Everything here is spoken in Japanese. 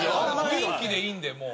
雰囲気でいいんでもう。